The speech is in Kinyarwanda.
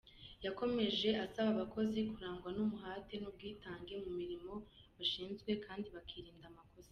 Yakomeje asaba abakozi kurangwa n’umuhate n’ubwitange mu mirimo bashinzwe kandi bakirinda amakosa.